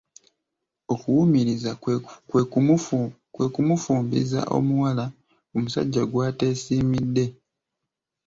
Okuwumiriza kwe kumufumbiza omuwala omusajja gw'ateesimidde.